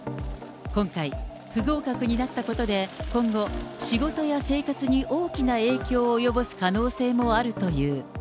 今回、不合格になったことで、今後、仕事や生活に大きな影響を及ぼす可能性もあるという。